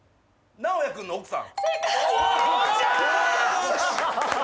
直也君の奥さん。